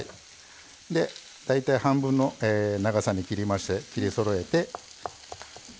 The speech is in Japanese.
大体半分の長さに切りまして切りそろえて。